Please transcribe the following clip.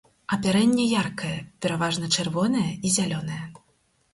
Апярэнне яркае, пераважна чырвонае і зялёнае.